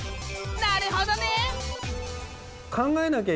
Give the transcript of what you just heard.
なるほどね。